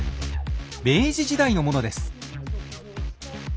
明治時代のものです。